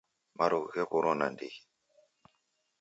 Marughu ghewurwa nandigi.